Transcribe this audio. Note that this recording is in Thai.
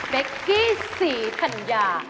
กี้ศรีธัญญา